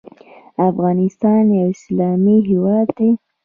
افغانستان یو اسلامي هیواد دی.